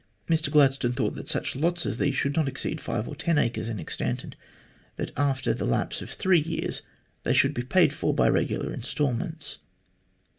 Mr Gladstone thought that such lots as these should not exceed 5 or 10 acres in extent, and that after the lapse of three years they should be paid for by regular instalments.